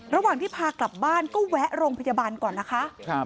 ระหว่างที่พากลับบ้านก็แวะโรงพยาบาลก่อนนะคะ